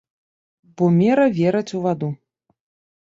Бо мера вераць у ваду.